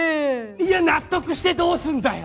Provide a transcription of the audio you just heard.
いや納得してどうすんだよ！